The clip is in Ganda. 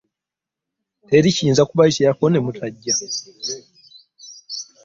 Teri kiyinza kubayitako ne bwe mutajja.